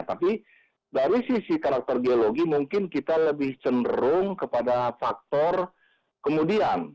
tapi dari sisi karakter geologi mungkin kita lebih cenderung kepada faktor kemudian